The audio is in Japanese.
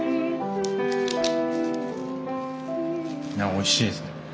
おいしいですね。